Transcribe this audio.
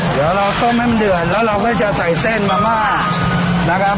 เดี๋ยวเราต้มให้มันเดือดแล้วเราก็จะใส่เส้นมะม่านะครับ